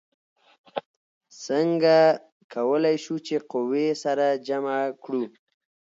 څنګه کولی شو چې قوې سره جمع کړو؟